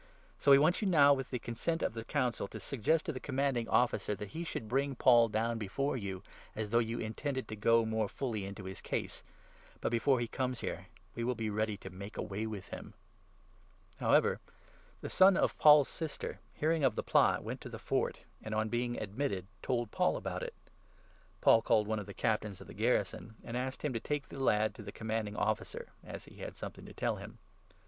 So we want you now, with the consent of the 15 Council, to suggest to the Commanding Officer that he should bring Paul down before you, as though you intended to go more fully into his case ; but, before he comes here, we will be ready to make away with him." However, the son of Paul's sister, hearing of the plot, went to 16 the Fort, and on being admitted, told Paul about it. Paul i? called one of the Captains of the garrison and asked him to take the lad to the Commanding Officer, as he had something to tell him.